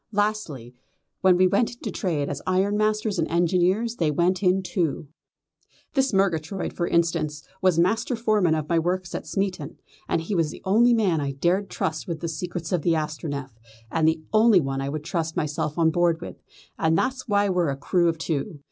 Lastly, when we went into trade as ironmasters and engineers they went in too. This Murgatroyd, for instance, was master foreman of my works at Smeaton, and he was the only man I dared trust with the secrets of the Astronef, and the only one I would trust myself on board her with, and that's why we're a crew of two.